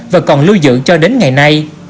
và còn lưu giữ cho đến ngày nay